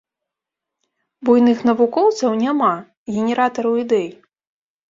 Буйных навукоўцаў няма, генератараў ідэй.